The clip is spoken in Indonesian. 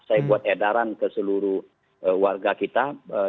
saya buat edaran ke seluruh warga kita